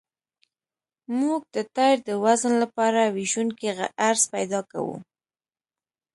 موږ د ټایر د وزن لپاره ویشونکی عرض پیدا کوو